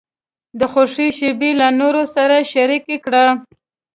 د خوښۍ شیبې له نورو سره شریکې کړه.